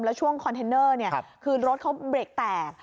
แล้วช่วงคอนเทนเนอร์คือรถเขาเบรกแตก